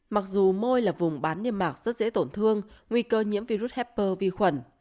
mặc dù môi là vùng bán niêm mạc rất dễ tổn thương nguy cơ nhiễm virus hepper vi khuẩn